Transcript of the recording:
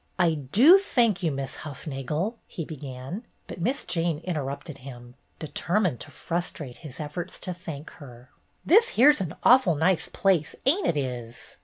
"I do thank you, Miss Hufnagel —" he began; but Miss Jane interrupted him, de termined to frustrate his efforts to thank her. "This here 's an awful nice place, ain't it is?"